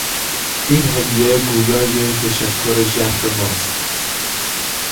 این هدیه گویای تشکر ژرف ما است.